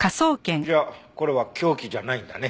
じゃあこれは凶器じゃないんだね。